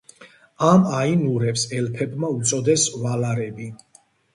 ამ აინურებს ელფებმა უწოდეს ვალარები.